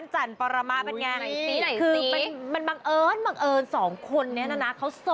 ชอบไม่ได้ไม่เอา